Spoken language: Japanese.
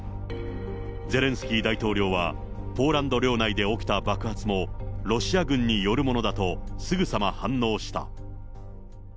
ゼレンスキー大統領は、ポーランド領内で起きた爆発も、ロシア軍によるものだとすぐさま反応した。